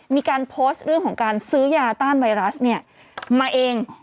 มีการโพสต์เรื่องของการซื้อยาต้านไวรัสเนี่ยมาเอง